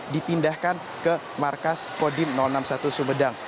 dipindahkan ke markas kodim enam puluh satu sumedang